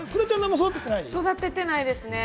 育ててないですね。